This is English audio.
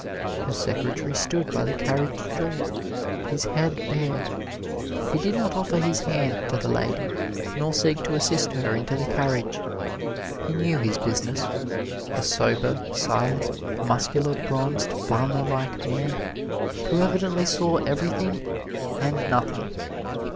Her secretary stood by the carriage door, his head bared. He did not offer his hand to the lady nor seek to assist her into the carriage. He knew his business a sober, silent, muscular, bronzed, farmer like man, who evidently saw everything and nothing.